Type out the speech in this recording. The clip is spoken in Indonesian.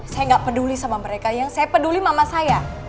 saya nggak peduli sama mereka yang saya peduli mama saya